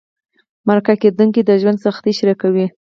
مرکه کېدونکي د ژوند سختۍ شریکوي.